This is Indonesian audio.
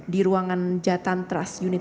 di ruangan jatantras unit satu